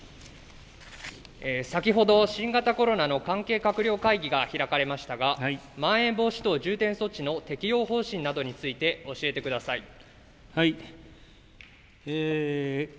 先ほど新型コロナの関係閣僚会議が開かれましたがまん延防止等重点措置の適用方針などについて教えてください。